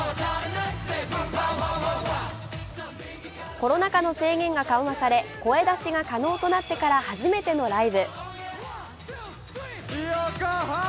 コロナ禍の制限が緩和され声出しが可能となってから初めてのライブ。